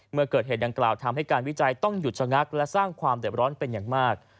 เมื่อเกิดเหตุดังกล่าวทำให้การวิจัยต้องหยุดชะงักและสร้างความเด็บร้อนเป็นอย่างมาก